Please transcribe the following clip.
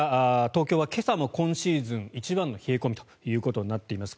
東京は今朝も今シーズン一番の冷え込みとなっています。